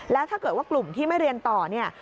แล้วถ้าเกิดว่ากลุ่มที่ไม่เรียนต่อเนี่ย